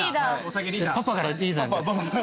パパからリーダーに？